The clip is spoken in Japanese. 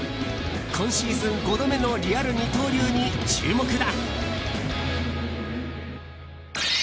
今シーズン５度目のリアル二刀流に注目だ。